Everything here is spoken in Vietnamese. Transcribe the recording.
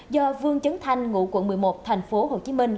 do vương trấn thanh ngụ quận một mươi một tp hcm